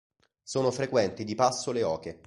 Sono frequenti di passo le oche.